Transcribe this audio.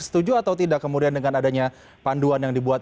setuju atau tidak kemudian dengan adanya panduan yang dibuat